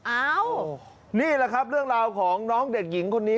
อ้าวนี่แหละครับเรื่องราวของน้องเด็กหญิงคนนี้